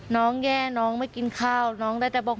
น้องแย่น้องไม่กินข้าวน้องได้แต่บอก